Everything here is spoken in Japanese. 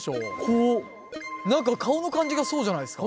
こう何か顔の感じがそうじゃないですか？